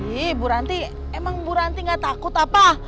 iiih bu ranti emang bu ranti gak takut apa